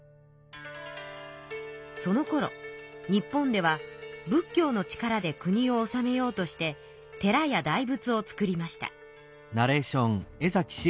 そのころ日本では仏教の力で国を治めようとして寺や大仏を造りました。